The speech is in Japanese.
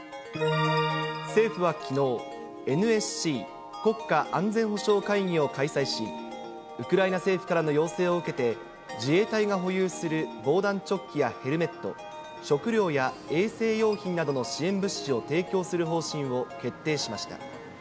政府はきのう、ＮＳＣ・国家安全保障会議を開催し、ウクライナ政府からの要請を受けて、自衛隊が保有する防弾チョッキやヘルメット、食料や衛生用品などの支援物資を提供する方針を決定しました。